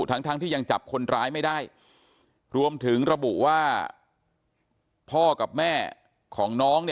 ทั้งที่ยังจับคนร้ายไม่ได้รวมถึงระบุว่าพ่อกับแม่ของน้อง